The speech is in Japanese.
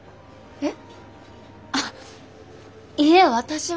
えっ。